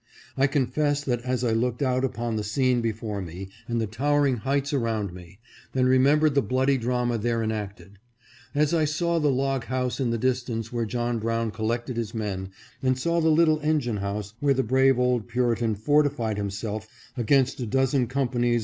I confess that as I looked out upon the scene before me and the towering heights around me, and remembered the bloody drama there enacted; as I saw the log house in the distance where John Brown collected his men and saw the little engine house where the brave old Puritan fortified himself against a dozen companies